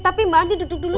tapi bandit duduk dulu